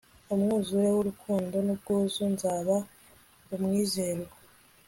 umwuzure w'urukundo n'ubwuzu, nzaba umwizerwa